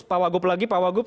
pak wak wagub lagi pak wak wagub